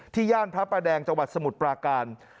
ย่านพระประแดงจังหวัดสมุทรปราการ